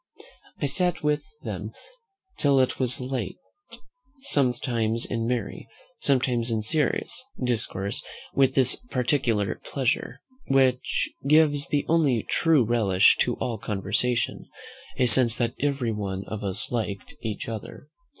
I sat with them till it was very late, sometimes in merry, sometimes in serious, discourse, with this particular pleasure, which gives the only true relish to all conversation, a sense that every one of us liked each other.